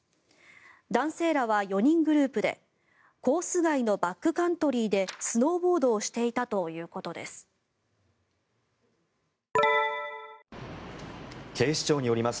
男性らは４人グループでコース外のバックカントリーでスノーボードをしていたということです。